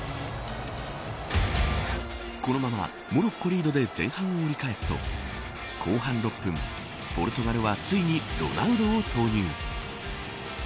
このままモロッコリードで前半を折り返すと後半６分ポルトガルはついにロナウドを投入。